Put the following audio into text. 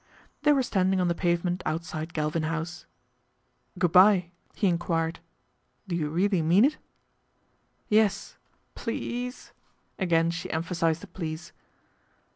They were stand ing on the pavement outside Galvin House. " Good bye/' he enquired. " Do you really mean it ?"' Yes, ple e e ase," again she emphasised the " please."